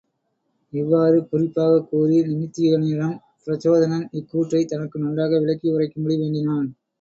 இவ்வாறு குறிப்பாகக் கூறிய நிமித்திகனிடம் பிரசசோதனன் இக்கூற்றைத் தனக்கு நன்றாக விளக்கி உரைக்கும்படி வேண்டினான்.